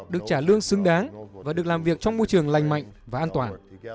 được trả lương xứng đáng và được làm việc trong môi trường lành mạnh và an toàn